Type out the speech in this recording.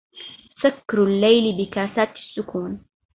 سكر الليل بكاسات السكون